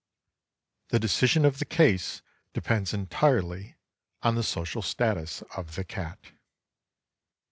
The decision of the case depends entirely on the social status of the cat.